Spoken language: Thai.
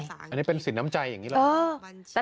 อันนี้เป็นสินทรัพย์ใจอย่างนี้แหละ